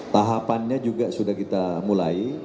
tahapannya juga sudah kita mulai